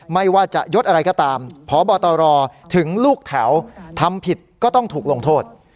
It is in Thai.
ไม่ว่าจะยดอะไรก็ตามพบตรถึงลูกแถวทำผิดก็ต้องถูกลงโทษ